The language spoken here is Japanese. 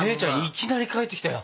いきなり帰ってきたよ。